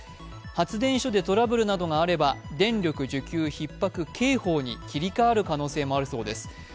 発電所でトラブルなどがあれば電力需給ひっ迫警報に切り替わる可能性もあるそうです。